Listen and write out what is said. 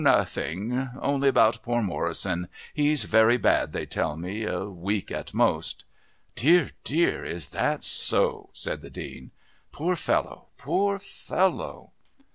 nothing. Only about poor Morrison. He's very bad, they tell me...a week at most." "Dear, dear is that so?" said the Dean. "Poor fellow, poor fellow!"